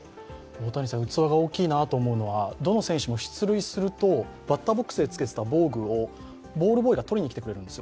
器が大きいなと思うのはどの選手も出塁するとバッターボックスで着けてた防具をボールボーイが取りにくるんですよ。